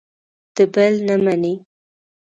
د بل نه مني.